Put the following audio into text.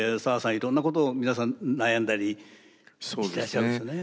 いろんなことを皆さん悩んだりしてらっしゃいますよね。